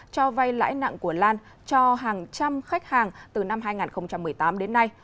cho vay lãi nặng của lan cho hàng trăm khách hàng từ năm hai nghìn một mươi tám đến nay